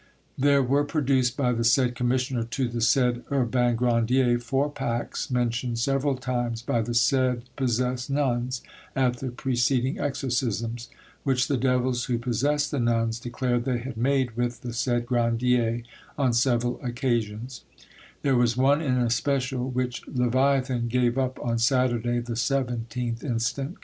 "There were produced by the said commissioner to the said Urbain Grandier four pacts mentioned several times by the said possessed nuns at the preceding exorcisms, which the devils who possessed the nuns declared they had made with the said Grandier on several occasions: there was one in especial which Leviathan gave up on Saturday the 17th inst.